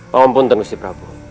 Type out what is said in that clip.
pengapunten gusti prabu